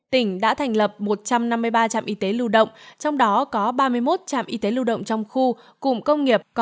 tỉnh đã thành lập một trăm năm mươi ba trạm y tế lưu động trong đó có ba mươi một trạm y tế lưu động trong khu cùng công nghiệp có một trăm hai mươi tám bác sĩ